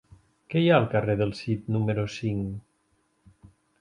Què hi ha al carrer del Cid número cinc?